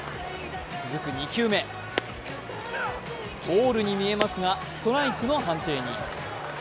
続く２球目、ボールに見えますがストライクの判定に。